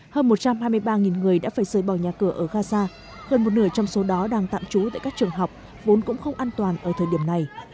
hơn một trăm hai mươi ba người đã phải rời bỏ nhà cửa ở gaza hơn một nửa trong số đó đang tạm trú tại các trường học vốn cũng không an toàn ở thời điểm này